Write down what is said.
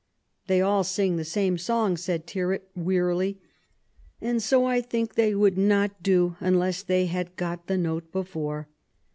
"They all sing the same song/* said Tyrwhit wearily, and so I think they would not do unless they had got the note before."